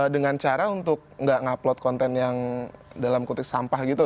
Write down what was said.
dengan cara untuk nggak ngupload konten yang dalam kutip sampah gitu